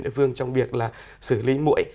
địa phương trong việc là xử lý mũi